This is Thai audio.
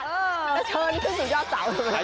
แล้วเชิญขึ้นสุดยอดเต๋า